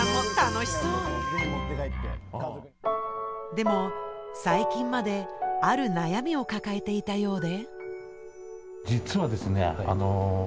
でも最近まである悩みを抱えていたようで。